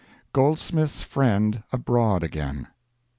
GOLDSMITH'S FRIEND ABROAD AGAIN.